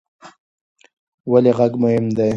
ولې غږ مهم دی؟